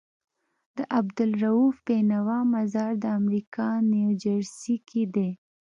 د عبدالروف بينوا مزار دامريکا نيوجرسي کي دی